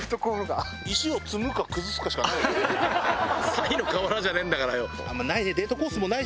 賽の河原じゃねえんだからよ。